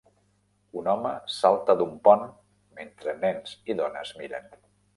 un home salta d'un pont mentre nens i dones miren